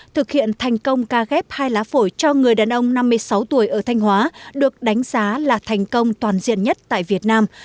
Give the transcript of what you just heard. thực hiện thành công ca ghép hai lá phổi cho người đàn ông năm mươi sáu tuổi ở thanh hóa được đánh giá là thành công toàn diện nhất tại việt nam